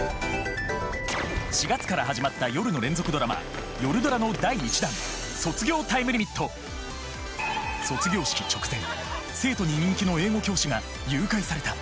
４月から始まった夜の連続ドラマ「夜ドラ」の第１弾卒業式直前生徒に人気の英語教師が誘拐された。